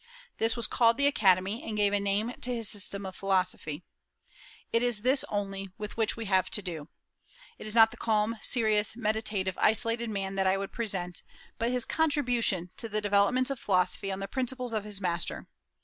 This was called the Academy, and gave a name to his system of philosophy. It is this only with which we have to do. It is not the calm, serious, meditative, isolated man that I would present, but his contribution to the developments of philosophy on the principles of his master.